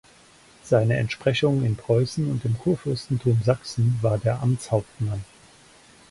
Seine Entsprechung in Preußen und im Kurfürstentum Sachsen war der Amtshauptmann.